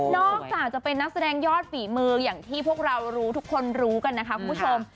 อกจากจะเป็นนักแสดงยอดฝีมืออย่างที่พวกเรารู้ทุกคนรู้กันนะคะคุณผู้ชม